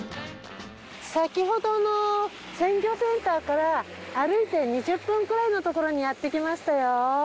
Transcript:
先ほどの鮮魚センターから歩いて２０分くらいのところにやってきましたよ。